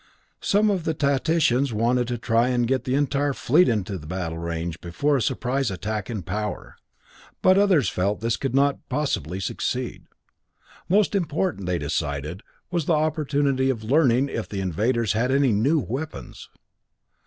Some of the tacticians had wanted to try to get the entire fleet into battle range for a surprise attack in power; but others felt that this could not possibly succeed. Most important, they decided, was the opportunity of learning if the invaders had any new weapons.